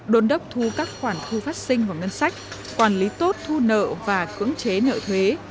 đồn đốc thu các khoản thu phát sinh vào ngân sách quản lý tốt thu nợ và cưỡng chế nợ thuế